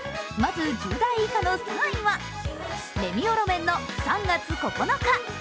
まず１０代以下の３位はレミオロメンの「３月９日」。